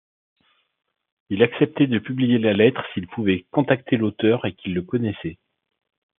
Il acceptait de publier la lettre s'il pouvait contacter l'auteur et qu'il le connaissait.